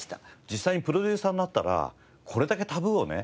実際にプロデューサーになったらこれだけタブーをね